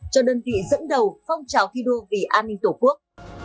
cho đơn vị dẫn đầu phong trào thi đua vì an ninh tổ quốc